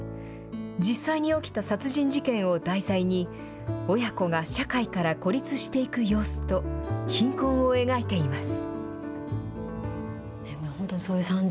実際に起きた殺人事件を題材に親子が社会から孤立していく様子と貧困を描いています。